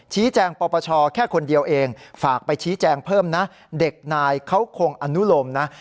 แจ้งปปชแค่คนเดียวเองฝากไปชี้แจงเพิ่มนะเด็กนายเขาคงอนุโลมนะ